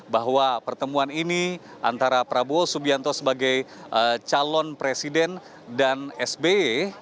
bahwa pertemuan ini antara prabowo subianto sebagai calon presiden dan sby